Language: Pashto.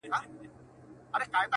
په ځنګله کي به حلال یا غرغړه سم.!